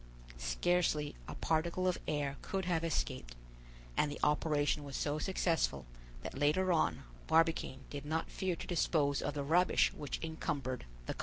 Scarcely a particle of air could have escaped, and the operation was so successful that later on Barbicane did not fear to dispose of the rubbish which encumbered the car.